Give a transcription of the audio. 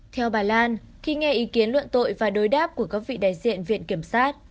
theo bà lan khi nghe ý kiến luận tội và đối đáp của các vị đại diện viện kiểm sát